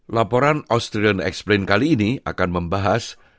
laporan austrian exprint kali ini akan membahas